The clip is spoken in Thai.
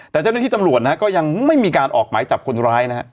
แต่เจ้าหน้าที่ตำรวจนะฮะก็ยังไม่มีการออกหมายจับคนร้ายนะฮะ